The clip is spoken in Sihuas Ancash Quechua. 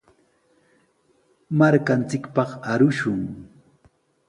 Markanchikpaq arushun.